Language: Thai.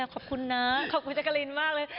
ขอบคุณนะขอบคุณจักรินมากเลย